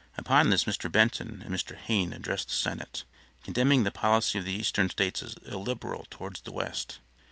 Upon this Mr. Benton and Mr. Hayne addressed the Senate, condemning the policy of the Eastern States as illiberal toward the West.